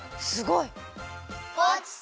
すごいっ！